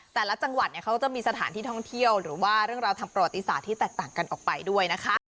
แต่ละจังหวัดเนี่ยเขาจะมีสถานที่ท่องเที่ยวหรือว่าเรื่องราวทางประวัติศาสตร์ที่แตกต่างกันออกไปด้วยนะคะ